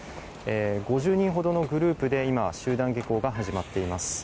５０人ほどのグループで集団下校が始まっています。